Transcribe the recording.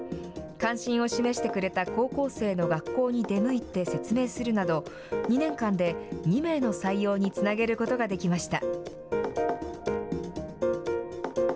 関心を示してくれた高校生の学校に出向いて説明するなど、２年間で２名の採用につなげることができました。